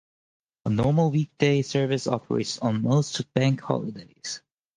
A normal weekday service operates on most bank holidays.